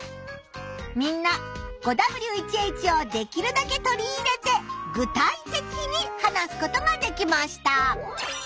みんな５Ｗ１Ｈをできるだけ取り入れて具体的に話すことができました。